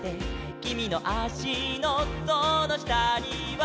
「きみのあしのそのしたには」